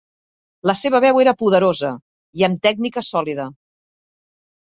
La seva veu era poderosa i amb tècnica sòlida.